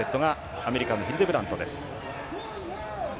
アメリカのヒルデブラントです。